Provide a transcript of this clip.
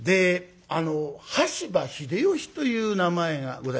羽柴秀吉という名前がございましたね。